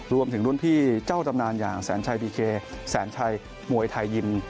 รวมถึงรุ่นพี่เจ้าตำนานอย่างแสนชัยบีเคแสนชัยมวยไทยยิม